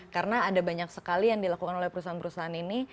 karena ada banyak sekali yang dilakukan oleh perusahaan perusahaan ini